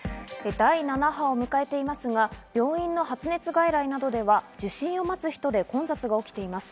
第７波を迎えていますが、病院の発熱外来などでは受診を待つ人で混雑が起きています。